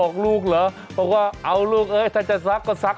ค่ยคลียรของคุณแม่ขาดีฉันเข้าใจ